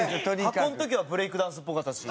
箱の時はブレイクダンスっぽかったし。